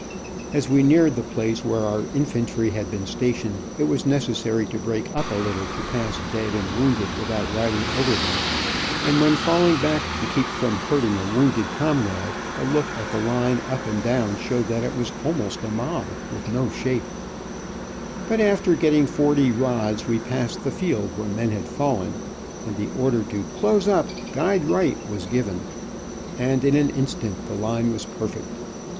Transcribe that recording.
As we neared the place where our infantry had been stationed, it was necessary to break up a little to pass dead and wounded without riding over them, and when falling back to keep from hurting a wounded comrade, a look at the line up and down showed that it was almost a mob, with no shape, but after get ing forty rods, we passed the field where men had fallen, and the order to "close up, guide right," was given, and in an instant the line was perfect.